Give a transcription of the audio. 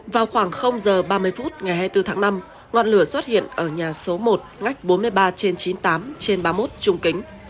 vào khoảng h ba mươi phút ngày hai mươi bốn tháng năm ngọn lửa xuất hiện ở nhà số một ngách bốn mươi ba trên chín mươi tám trên ba mươi một trung kính